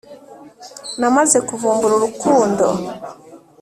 namaze kuvumbura urukundo